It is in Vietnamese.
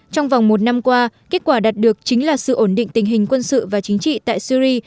trong vòng một năm qua kết quả đạt được chính là sự ổn định tình hình quân sự và chính trị tại syri